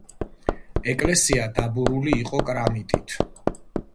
ეკლესია დაბურული იყო კრამიტით.